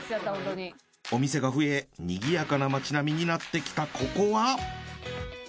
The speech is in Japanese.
お店が増え賑やかな街並みになってきたここは。